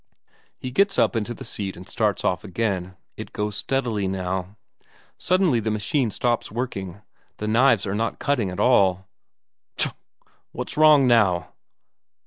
He gets up into the seat and starts off again; it goes steadily now. Suddenly the machine stops working the knives are not cutting at all. "Ptro! What's wrong now?"